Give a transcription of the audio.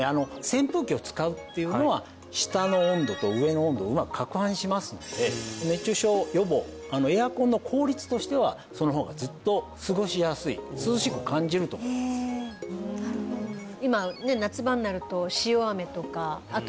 扇風機を使うっていうのは下の温度と上の温度をうまく攪拌しますので熱中症予防エアコンの効率としてはその方がずっと過ごしやすい涼しく感じると思いますへえなるほど今ね